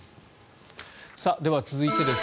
では続いてです。